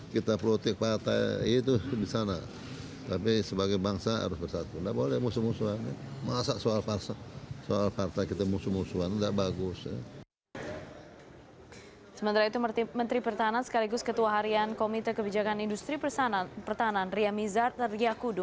ketua harian komite kebijakan industri pertahanan ria mizar dan ria kudus